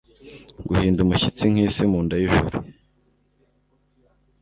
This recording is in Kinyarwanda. Guhinda umushyitsi nk'isi mu nda y'ijoro